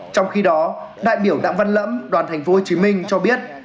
trong khi đó đại biểu đảng văn lẫm đoàn thành phố hồ chí minh cho biết